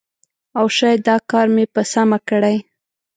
او شاید دا کار مې په سمه کړی